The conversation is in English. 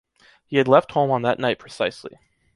He had left home on that night precisely.